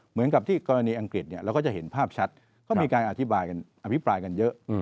เหมือนกับที่กรณีอังกฤษเนี่ยเราก็จะเห็นภาพชัดก็มีการอภิปรายกันเยอะ